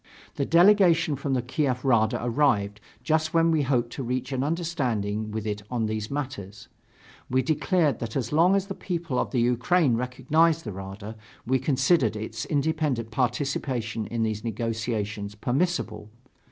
The delegation from the Kiev Rada arrived, just when we hoped to reach an understanding with it on these matters. We declared that as long as the people of the Ukraine recognized the Rada, we considered its independent participation in these negotiations permissible.